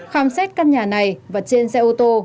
khám xét căn nhà này và trên xe ô tô